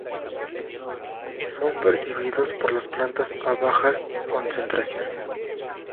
Son percibidos por las plantas a bajas concentraciones.